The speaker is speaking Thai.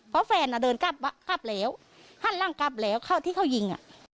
เพราะแฟนเหลือกลับแล้วใกล้เขาที่เขายิง